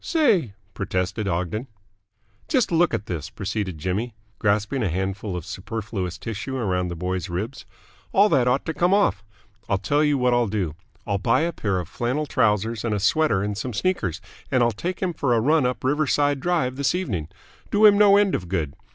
"Say!" protested Ogden. "Just look at this," proceeded Jimmy, grasping a handful of superfluous tissue around the boy's ribs. "All that ought to come off. I'll tell you what I'll do. I'll buy a pair of flannel trousers and a sweater and some sneakers, and I'll take him for a run up Riverside Drive this evening. Do him no end of good.